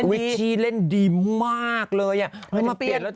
วิชิเล่นดีมากเลย